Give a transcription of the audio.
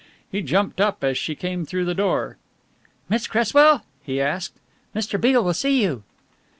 He jumped up as she came through the door. "Miss Cresswell?" he asked. "Mr. Beale will see you."